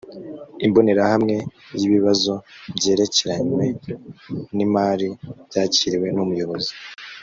imbonerahamwe yibibazo byerekeranywe n imari byakiriwe numuyobozi